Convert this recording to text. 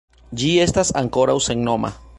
Ĝi estas ankoraŭ sennoma.